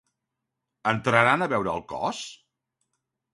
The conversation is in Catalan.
Entraran a veure el cos?